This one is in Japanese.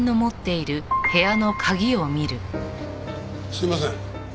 すいません。